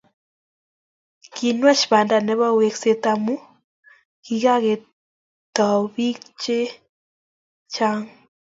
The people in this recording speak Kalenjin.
Kinwach banda nepo wekset amu kikangetio bik che chang